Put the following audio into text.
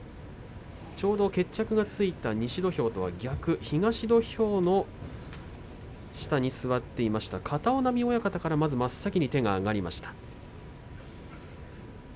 決着がついた、西土俵とは逆東土俵の下に座っていました片男波親方から真っ先に手が上がりました。